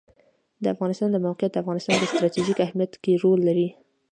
د افغانستان د موقعیت د افغانستان په ستراتیژیک اهمیت کې رول لري.